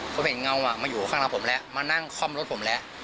ผมเห็นเงามาอยู่ข้างหลังผมแล้วมานั่งคล่อมรถผมแล้ว